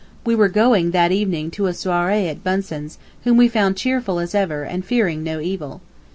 We were going that evening to a soirée at Bunsen's, whom we found cheerful as ever and fearing no evil.